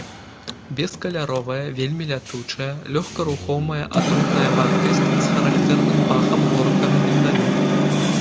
Бескаляровая, вельмі лятучая, лёгкарухомая атрутная вадкасць з характэрным пахам горкага міндалю.